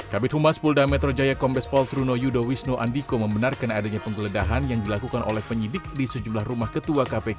kabit humas polda metro jaya kombes poltruno yudo wisno andiko membenarkan adanya penggeledahan yang dilakukan oleh penyidik di sejumlah rumah ketua kpk firly bahuri